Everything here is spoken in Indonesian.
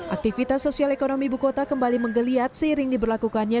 aktivitas sosial ekonomi bukota kembali menggeliat seiring diberlakukannya